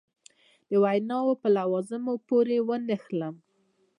د ویناوو په لوازمو پورې ونه نښلم.